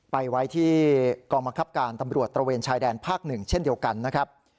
ไปไว้ที่กองบังคับการตำรวจตระเวนชายแดนภาค๑เช่นเดียวกันนะครับ